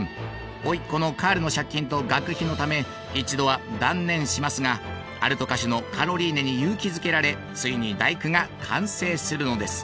甥っ子のカールの借金と学費のため一度は断念しますがアルト歌手のカロリーネに勇気づけられついに「第九」が完成するのです。